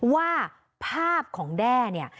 ว่าภาพของแด้เนี่ย